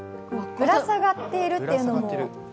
ぶら下がっているというのも。